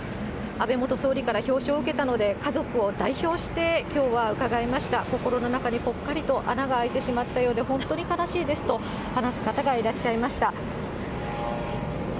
安倍元総理から表彰を受けたので、家族を代表して、きょうはうかがいました、心の中にぽっかりと穴が開いてしまったようで、本当に悲しいですと話す方がいらっしゃいました。